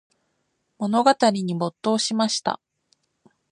物語に没頭しました。